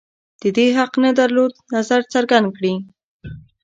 د دې حق نه درلود نظر څرګند کړي